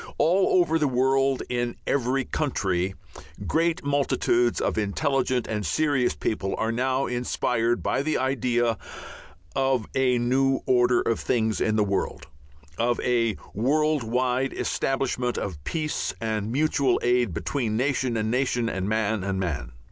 All over the world, in every country, great multitudes of intelligent and serious people are now inspired by the idea of a new order of things in the world, of a world wide establishment of peace and mutual aid between nation and nation and man and man.